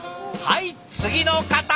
はい次の方！